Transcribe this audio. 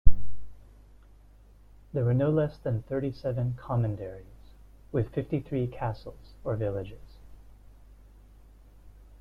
There were no less than thirty-seven "Commanderies", with fifty-three castles or villages.